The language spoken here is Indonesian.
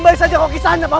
masuklah ke dalam